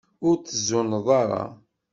Ur tzunneḍ ara.